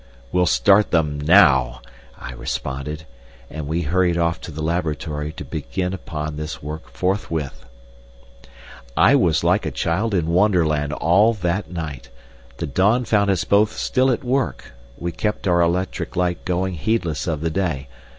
"We'll start them now," I responded, and we hurried off to the laboratory to begin upon this work forthwith. I was like a child in Wonderland all that night. The dawn found us both still at work—we kept our electric light going heedless of the day.